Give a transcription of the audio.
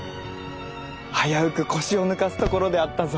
危うく腰を抜かすところであったぞ。